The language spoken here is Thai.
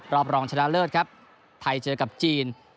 รองชนะเลิศครับไทยเจอกับจีน